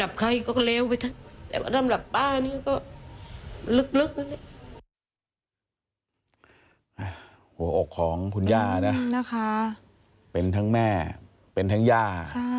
หัวอกของคุณย่านะนะคะเป็นทั้งแม่เป็นทั้งย่า